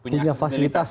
punya fasilitas ya